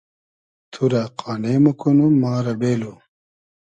تو رۂ قانې موکونوم ما رۂ بېلو